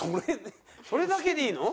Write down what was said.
それだけでいいの？